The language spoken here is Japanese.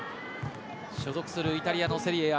所属するイタリアのセリエＡ